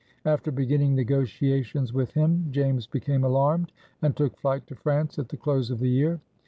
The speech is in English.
After beginning negotiations with him, James became alarmed and took flight to France at the close of the year.